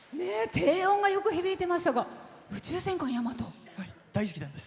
低音がよく響いていましたが大好きなんです。